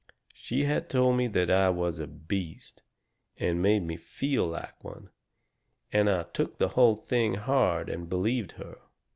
She had told me that I was a beast, and made me feel like one; and I took the whole thing hard and believed her.